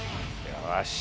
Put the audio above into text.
よし。